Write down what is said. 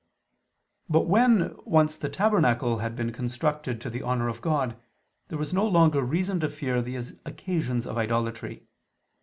But when once the tabernacle had been constructed to the honor of God, there was no longer reason to fear these occasions of idolatry.